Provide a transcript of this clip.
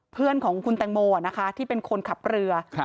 เพื่อนของคุณแตงโมที่เป็นคนขับเรือ